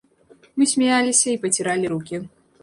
Мы смяяліся і паціралі рукі.